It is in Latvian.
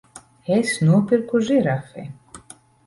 Es nopirku žirafi!